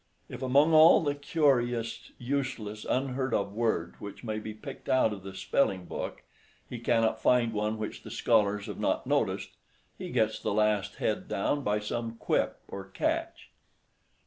If among all the curious, useless, unheard of words which may be picked out of the spelling book, he cannot find one which the scholars have not noticed, he gets the last head down by some quip or catch.